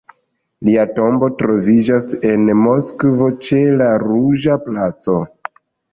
Lia tombo troviĝas en Moskvo, ĉe la Ruĝa Placo.